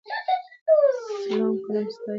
اسلام قلم ستایي.